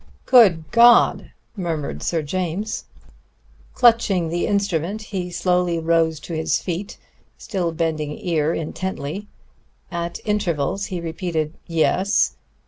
"Good God," murmured Sir James. Clutching the instrument, he slowly rose to his feet, still bending ear intently. At intervals he repeated, "Yes."